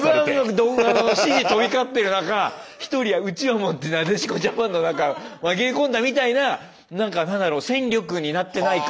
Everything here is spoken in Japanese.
怒号の指示飛び交ってる中一人うちわ持ってなでしこジャパンの中紛れ込んだみたいな何か何だろう戦力になってない感。